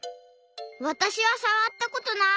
わたしはさわったことない！